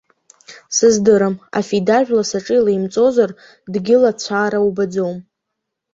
Сыздырам, афидажәла асаҿы илеимҵозар, дгьыл ацәаара убаӡом.